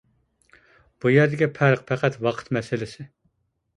بۇ يەردىكى پەرق پەقەت ۋاقىت مەسىلىسى.